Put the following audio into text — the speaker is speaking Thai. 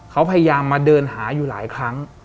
เขาพยายามมาเดินหาอยู่หลายครั้ง